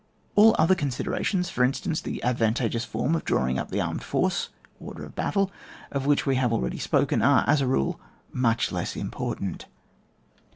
AU other considerations, for instance, the advan tageous form of drawing up the armed force (order of battle), of which we have already spoken, are, as a rule much lesa important.